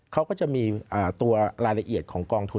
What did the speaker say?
เขาก็จะมีตัวรายละเอียดของกองทุน